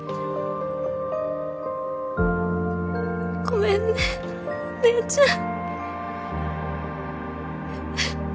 ごめんねお姉ちゃん。